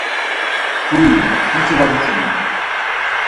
Huy muti va gitzomer.